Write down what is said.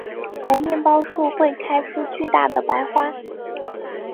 猴面包树会开出巨大的白花。